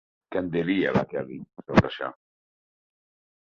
Què en diria la Kelly, sobre això?